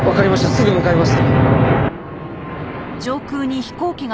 すぐ向かいます。